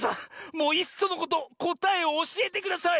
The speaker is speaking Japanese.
もういっそのことこたえをおしえてください！